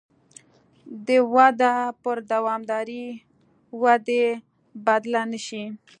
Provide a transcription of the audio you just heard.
دا وده پر دوامدارې ودې بدله نه شي.